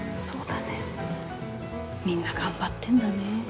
そうだねみんな頑張ってんだね